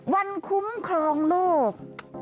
วันคุ้มครองโลก